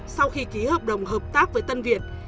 sau khi ký hợp đồng hợp tác với tân việt